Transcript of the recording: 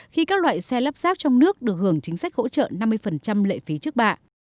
khi các loại xe lắp ráp trong nước được hưởng chính sách hỗ trợ năm mươi lệ phí trước bạ